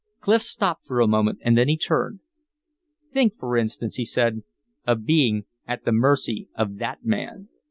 Clif stopped for a moment and then he turned. "Think, for instance," he said, "of being at the mercy of that man."